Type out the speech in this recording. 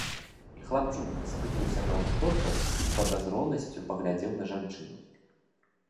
Хлапчук спыніўся на ўсходках і з падазронасцю паглядзеў на жанчыну.